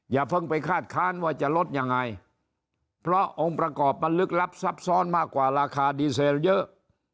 อย่าเพิ่งไปคาดค้านว่าจะลดยังไงเพราะองค์ประกอบมันลึกลับซับซ้อนมากกว่าราคาดีเซลเยอะ